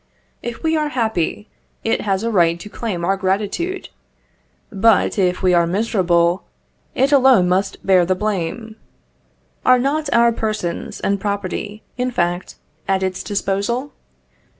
If we are happy, it has a right to claim our gratitude; but if we are miserable, it alone must bear the blame. Are not our persons and property, in fact, at its disposal?